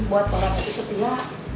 bukan ngejamin buat orang itu setia